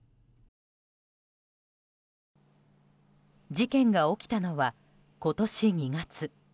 事件が起きたのは今年２月。